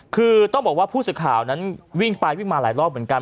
คือต้องบอกว่าผู้สื่อข่าวนั้นวิ่งไปวิ่งมาหลายรอบเหมือนกัน